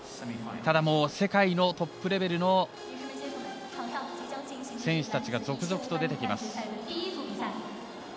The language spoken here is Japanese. ただ、世界のトップレベルの選手たちが続々と出てきます。